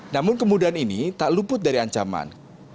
namun kemudahan ini tak luput dari ancaman